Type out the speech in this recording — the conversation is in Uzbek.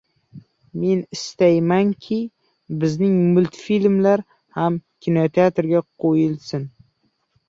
Men istaymanki, bizning multfilmlar ham kinoteatlarda qo‘yilsin.